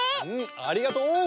ありがとう！